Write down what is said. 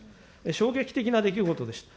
衝撃的な出来事でした。